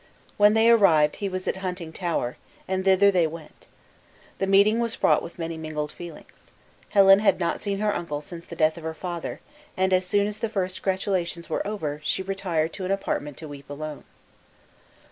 When they arrived, he was at Huntingtower, and thither they went. The meeting was fraught with many mingled feelings. Helen had not seen her uncle since the death of her father; and, as soon as the first gratulations were over, she retired to an apartment to weep alone.